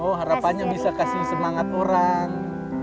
oh harapannya bisa kasih semangat orang